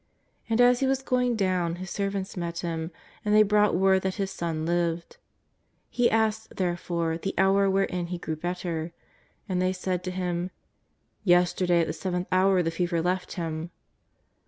And as he was going down his servants met him, and they brought word that his son lived. He asked, therefore, the hour wherein he grew better. And they said to him :'^ Yesterday at the seventh hour the fever left him.''